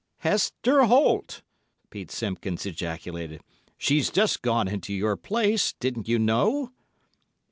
"Hester Holt!" Pete Simpkins ejaculated. "She's just gone into your place. Didn't you know?"